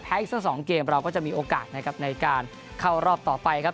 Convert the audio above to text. อีกสัก๒เกมเราก็จะมีโอกาสนะครับในการเข้ารอบต่อไปครับ